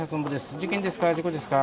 事件ですか？